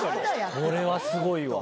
これはすごいわ。